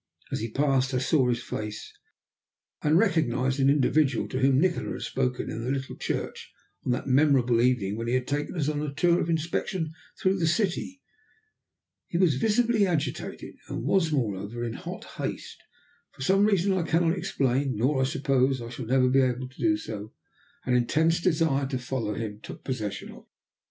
As he passed, I saw his face, and recognized an individual to whom Nikola had spoken in the little church on that memorable evening when he had taken us on a tour of inspection through the city. He was visibly agitated, and was moreover in hot haste. For some reason that I cannot explain, nor, I suppose, shall I ever be able to do so, an intense desire to follow him took possession of me.